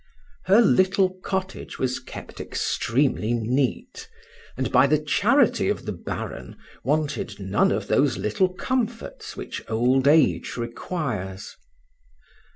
Her little cottage was kept extremely neat; and, by the charity of the Baron, wanted none of those little comforts which old age requires.